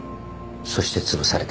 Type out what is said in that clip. そしてつぶされた。